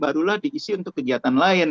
barulah diisi untuk kegiatan lain